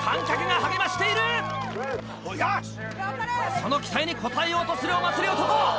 その期待に応えようとするお祭り男！